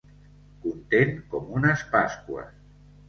Content com unes pasqües.